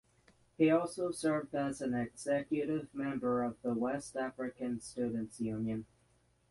He also served as an executive member of the West African Students Union.